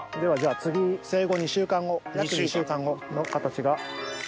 次生後２週間後約２週間後の形が。